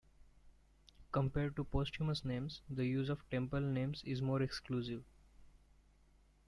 Compared to posthumous names, the use of temple names is more exclusive.